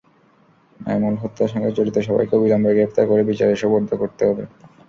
নাঈমুল হত্যার সঙ্গে জড়িত সবাইকে অবিলম্বে গ্রেপ্তার করে বিচারে সোপর্দ করতে হবে।